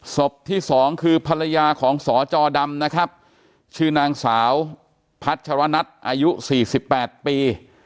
ศพที่สองคือภรรยาของสจดำนะครับชื่อนางสาวพัชรนัทอายุ๔๘ปี